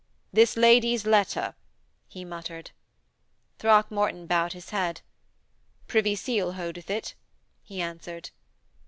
'This lady's letter,' he muttered. Throckmorton bowed his head. 'Privy Seal holdeth it,' he answered.